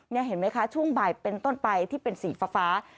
นี่เห็นไหมคะช่วงบ่ายเป็นต้นไปที่เป็นสีฟ้า